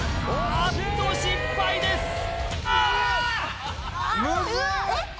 あーっと失敗ですあーっ！